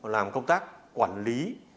làm công tác quản lý